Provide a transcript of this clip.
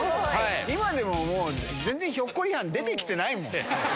今でももう、全然ひょっこりはん出てきてないもん。